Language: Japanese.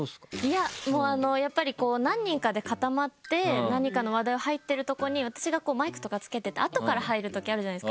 いややっぱり何人かで固まって何かの話題を入ってるとこに私がマイクとか付けてて後から入るときあるじゃないですか。